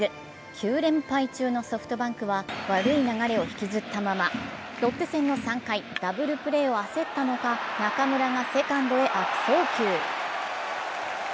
９連敗中のソフトバンクは悪い流れを引きずったまま、ロッテ戦の３回、ダブルプレーを焦ったのか中村がセカンドへ悪送球。